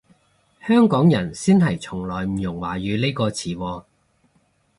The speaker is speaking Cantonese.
香港人先係從來唔用華語呢個詞喎